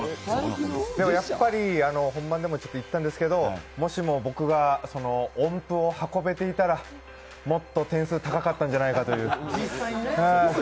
本番でも言ったんですけど、もしも僕が音符を運べていたらもっと点数高かったんじゃないかという。